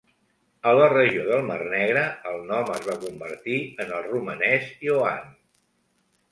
A la regió del Mar Negre, el nom es va convertir en el romanès Ioan.